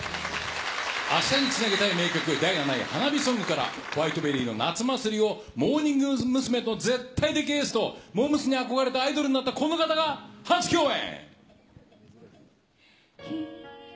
明日につなげたい名曲、第７位、花火ソングから、Ｗｈｉｔｅｂｅｒｒｙの夏祭りを、モーニング娘。の絶対的エースと、モー娘。に憧れてアイドルになったこの方が初共演。